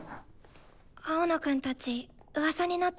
青野くんたちうわさになってるね。